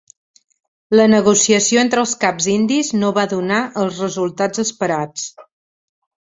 La negociació entre els caps indis no va donar els resultats esperats.